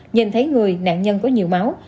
nhìn thấy người nạn nhân có nhiều máu